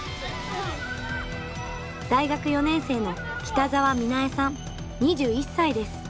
大学４年生の北澤美菜恵さん２１歳です。